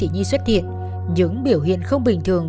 những biểu hiện không bình thường